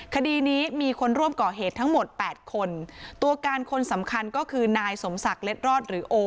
คดีนี้มีคนร่วมก่อเหตุทั้งหมดแปดคนตัวการคนสำคัญก็คือนายสมศักดิ์เล็ดรอดหรือโอ